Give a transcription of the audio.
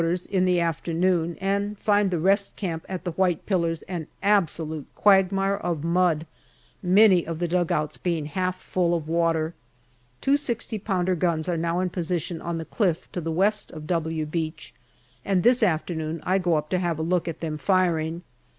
in the afternoon and find the rest camp at the white pillars an absolute quagmire of mud, many of the dugouts being half full of water. Two Go pounder guns are now in position on the cliff to the west of " W " Beach, and this afternoon I go up to have a look at them firing.